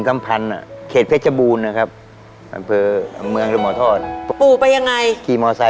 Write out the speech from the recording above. ไม่ใช่แค่ในระแวกไม่รู้ค่ะ